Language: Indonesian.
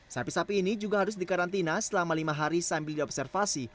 sapi sapi ini juga harus dikarantina selama lima hari sambil diobservasi